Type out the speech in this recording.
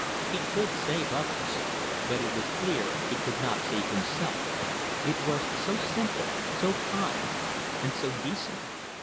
He could save others; but it was clear he could not save himself. It was so simple, so kind, and so decent.